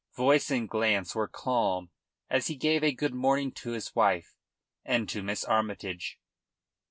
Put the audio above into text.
Voice and glance were calm as he gave a good morning to his wife and to Miss Armytage.